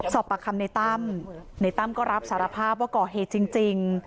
สอบปากคำในตั้มในตั้มก็รับสารภาพว่าก่อเหตุจริง